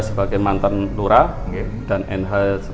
kejadian ini dari dua ribu dua puluh tiga